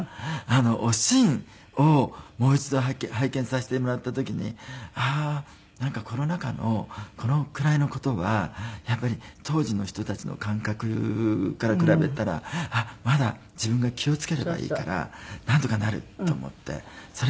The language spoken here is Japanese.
あの『おしん』をもう一度拝見させてもらった時にああーなんかコロナ禍のこのくらいの事はやっぱり当時の人たちの感覚から比べたらあっまだ自分が気を付ければいいからなんとかなると思ってそれで勇気頂きました。